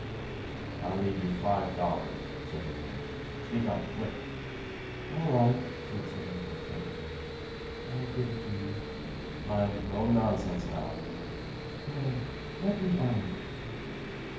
"I'll leave you five dollars," said the voice. "Speak up! Quick!" "All right," said Samuel faintly. "I'll give it to you." "Mind! No nonsense now!" "No. Let me out!"